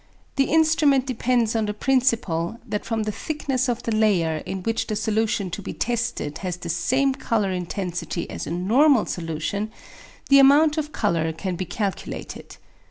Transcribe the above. The instrument depends on the principle, that from the thickness of the layer in which the solution to be tested has the same colour intensity as a normal solution, the amount of colour can be calculated.